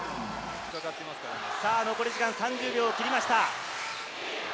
さあ残り３０秒を切りました。